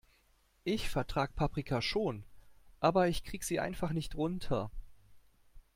Ich vertrag Paprika schon, aber ich krieg sie einfach nicht runter.